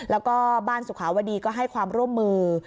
แล้วก็บ้านสุขาวดีก็ให้ความร่วมมือ